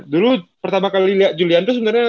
dulu pertama kali liat julian itu sebenarnya